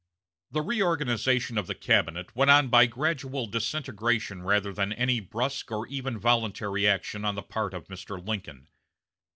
The reorganization of the cabinet went on by gradual disintegration rather than by any brusque or even voluntary action on the part of Mr. Lincoln.